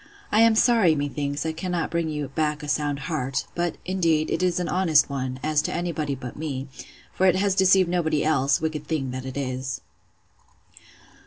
I am sorry, methinks, I cannot bring you back a sound heart; but, indeed, it is an honest one, as to any body but me; for it has deceived nobody else: Wicked thing that it is!